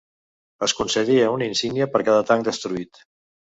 Es concedia una insígnia per cada tanc destruït.